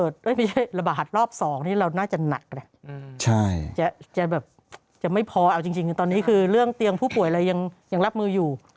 ถ้าระบาดรอบ๒เนี่ยเราน่าจะหนักเนี่ยจะไม่พอเอาจริงตอนนี้คือเรื่องเตียงผู้ป่วยอะไรยังรับมืออยู่